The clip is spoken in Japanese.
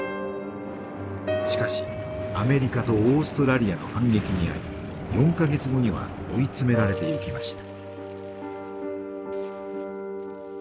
しかしアメリカとオーストラリアの反撃に遭い４か月後には追い詰められていきました。